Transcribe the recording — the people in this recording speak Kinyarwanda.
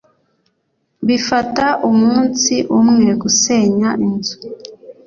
bifata umunsi umwe gusenya inzu